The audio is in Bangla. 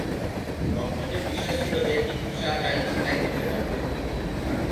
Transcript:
ভক্তদের বিশ্বাস ছিলো যে, টিপু শাহ যা ইচ্ছা তাই করতে পারতেন।